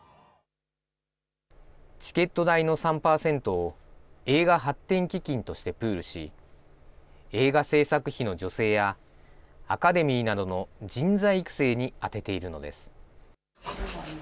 チケット代の３％を映画発展基金としてプールし、映画製作費の助成や、アカデミーなどの人材育成に充てているのです。